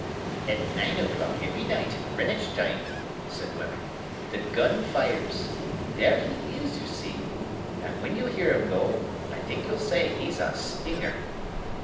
"At nine o'clock every night, Greenwich time," said Wemmick, "the gun fires. There he is, you see! And when you hear him go, I think you'll say he's a Stinger."